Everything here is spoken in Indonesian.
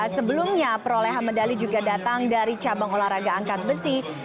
sebelumnya perolehan medali juga datang dari cabang olahraga angkat besi